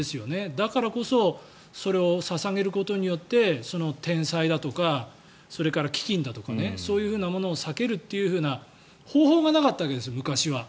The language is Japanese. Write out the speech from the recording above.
だからこそそれを捧げることによって天災だとか飢きんだとかそういうものを避けるというような方法が昔はなかったわけです。